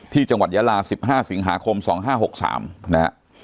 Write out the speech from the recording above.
ที่จังหวัดยาลาสิบห้าสิงหาคมสองห้าหกสามนะฮะ